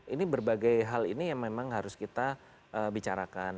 ini berbagai hal ini yang memang harus kita bicarakan